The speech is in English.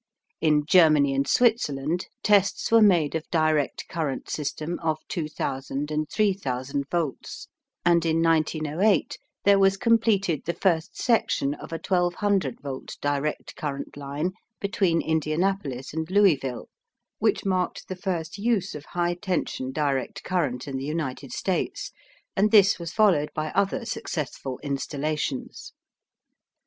IN Germany and Switzerland tests were made of direct current system of 2,000 and 3,000 volts and in 1908 there was completed the first section of a 1,200 volt direct current line between Indianapolis and Louisville, which marked the first use of high tension direct current in the United States, and this was followed by other successful installations.